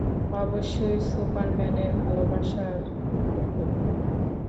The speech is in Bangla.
অবশ্যই, সুপারম্যানের ভালোবাসার কুকুর।